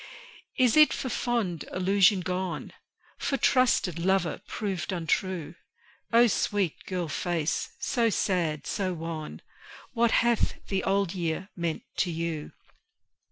Is it for fond illusion gone? For trusted lover proved untrue? O sweet girl face, so sad, so wan What hath the Old Year meant to you?